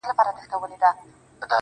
راځه د اوښکو تويول در زده کړم.